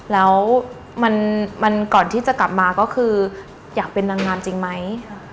แล้วมันก่อนที่จะกลับมาก็คืออยากเป็นนางงามจริงไหม